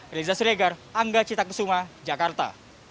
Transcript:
riza seregar angga cita kusuma jakarta